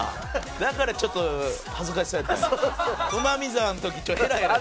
だからちょっと恥ずかしそうやったんや。